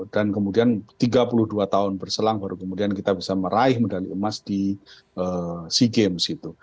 dan kemudian tiga puluh dua tahun berselang baru kemudian kita bisa meraih medali emas di sea games gitu